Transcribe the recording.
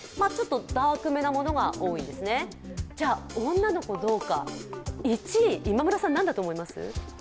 女の子の１位、今村さん、何だと思います？